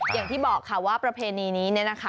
อย่างที่บอกค่ะว่าประเพณีนี้เนี่ยนะคะ